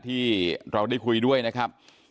ที่เราได้คุยด้วยนะครับ